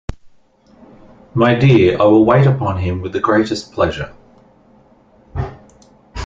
My dear, I will wait upon him with the greatest pleasure.